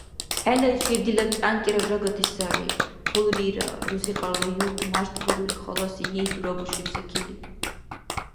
– ХӀелайчир дила чӀянкӀира жагати сари, хъулрира, – рузикьарла юрт мяштӀбирули, халаси гьигь дурабушиб Сакили.